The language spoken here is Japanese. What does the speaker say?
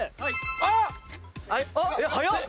あっ！